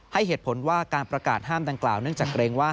ให้เหตุผลว่าการประกาศห้ามดังกล่าวเนื่องจากเกรงว่า